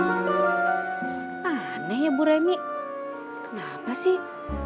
aneh ya bu remi kenapa sih